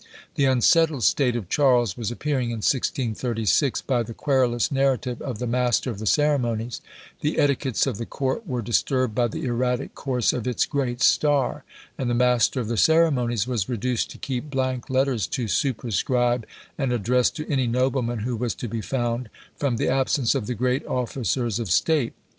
The unsettled state of Charles was appearing in 1636, by the querulous narrative of the master of the ceremonies; the etiquettes of the court were disturbed by the erratic course of its great star; and the master of the ceremonies was reduced to keep blank letters to superscribe, and address to any nobleman who was to be found, from the absence of the great officers of state.